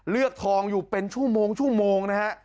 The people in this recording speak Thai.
เลือกทองอยู่เป็นชั่วโมงนะฮะ